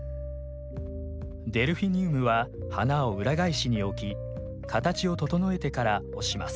デルフィニウムは花を裏返しに置き形を整えてから押します。